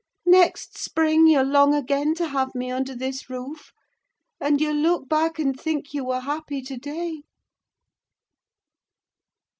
Next spring you'll long again to have me under this roof, and you'll look back and think you were happy to day."